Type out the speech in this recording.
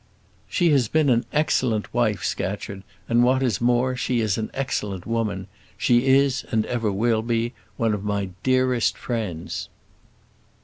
"She has been an excellent wife, Scatcherd; and what is more, she is an excellent woman. She is, and ever will be, one of my dearest friends."